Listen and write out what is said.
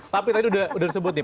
tapi tadi udah disebut nih